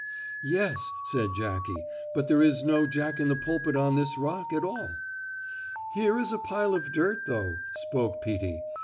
"Yes," said Jackie, "but there is no Jack in the Pulpit on this rock at all." "Here is a pile of dirt, though," spoke Peetie.